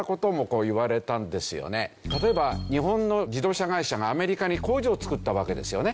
例えば日本の自動車会社がアメリカに工場を作ったわけですよね。